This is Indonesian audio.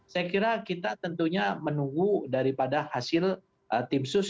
saya kira kita tentunya menunggu daripada hasil tim sus